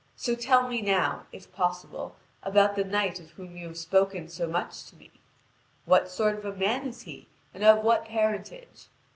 So tell me now, if possible, about the knight of whom you have spoken so much to me: what sort of a man is he, and of what parentage?